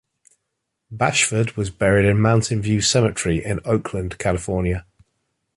Bashford was buried in Mountain View Cemetery, in Oakland, California.